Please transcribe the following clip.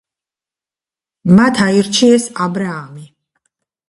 მათ აირჩიეს „აბრაამი“.